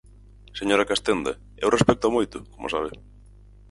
Señora Castenda, eu respéctoa moito, como sabe.